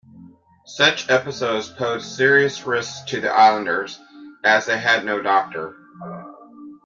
Such episodes posed serious risks to the islanders, as they had no doctor.